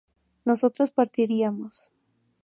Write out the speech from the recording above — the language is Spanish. nosotros partiríamos